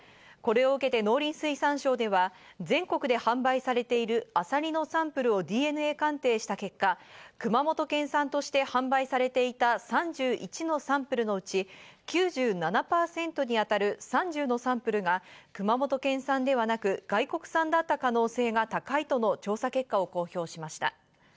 これを受けて農林水産省では全国で販売されているあさりのサンプルをＤＮＡ鑑定した結果、熊本県産として販売されていた３１のサンプルのうち、９７％に当たる３０のサンプルが熊本県産ではなく外国産だった可能性が高いとの調査結果を公表しました。